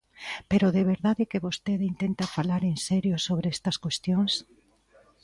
¿Pero de verdade que vostede intenta falar en serio sobre estas cuestións?